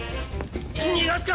逃がすか！